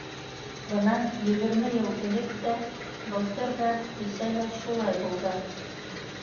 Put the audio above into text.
Бынан егерме йыл элек тә, былтыр ҙа, кисә лә шулай булды.